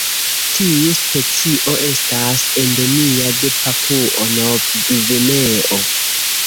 Tiu specio estas endemia de Papuo-Nov-Gvineo.